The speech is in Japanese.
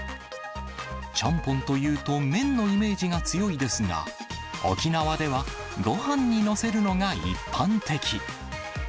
ちゃんぽんというと麺のイメージが強いですが、沖縄では、ごはんに載せるのが一般的。